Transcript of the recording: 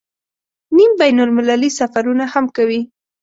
نیم بین المللي سفرونه هم کوي.